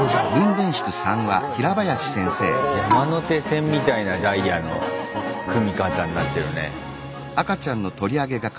山手線みたいなダイヤの組み方になってるね。